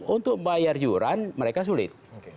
untuk bayar juran mereka sulit